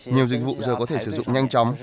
nhiều dịch vụ giờ có thể sử dụng nhanh chóng